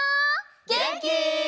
げんき？